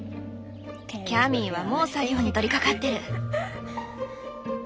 キャミーはもう作業に取りかかってる！